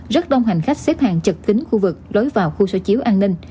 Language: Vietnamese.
rất đông hành khách xếp hàng chật kín khu vực lối vào khu xoay chiếu an ninh